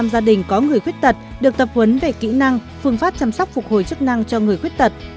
sáu mươi gia đình có người khuyết tật được tập huấn về kỹ năng phương pháp chăm sóc phục hồi chức năng cho người khuyết tật